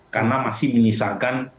karena masih menisahkan